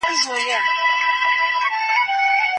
ماشینونه کور پاکوي.